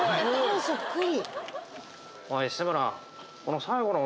そっくり！